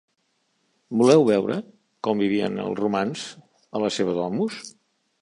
Voleu veure com vivien els romans a la seva domus?